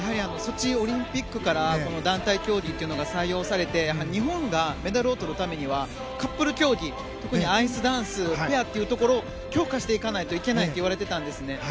ソチオリンピックから団体競技というのが採用されて日本がメダルを取るためにはカップル競技特にアイスダンスペアというところを強化していかないといけないって言われていたんですね。